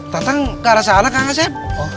datang ke arah sana kang asep